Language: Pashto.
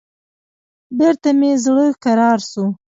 بېرته مې زړه کرار سو.